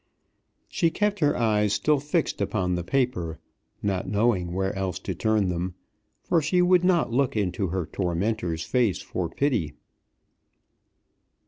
She kept her eyes still fixed upon the paper, not knowing where else to turn them, for she would not look into her tormentor's face for pity.